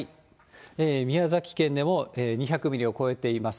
宮崎県でも２００ミリを超えています。